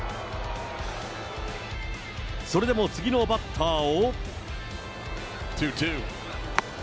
それでも次のバッターを。